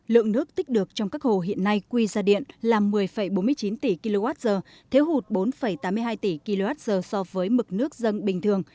lượng nước tích được trong các hồ hiện nay quy ra điện là một mươi bốn mươi chín tỷ kwh thiếu hụt bốn tám mươi hai tỷ kwh so với mực nước dân bình thường